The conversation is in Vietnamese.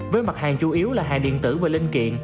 với mặt hàng chủ yếu là hàng điện tử và linh kiện